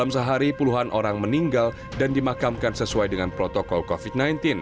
dalam sehari puluhan orang meninggal dan dimakamkan sesuai dengan protokol covid sembilan belas